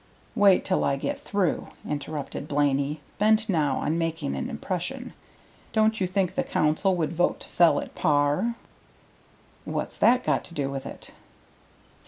"Wait till I get through," interrupted Blaney, bent now on making an impression. "Don't you think the Council would vote to sell at par?" "What's that got to do with it?"